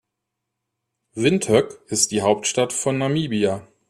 Windhoek ist die Hauptstadt von Namibia.